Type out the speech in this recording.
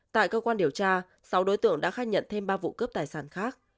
tại cơ quan điều tra sáu đối tượng đã khai nhận thêm ba vụ cướp tài sản khác